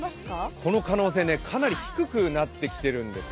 この可能性、かなり低くなってきているんですよ。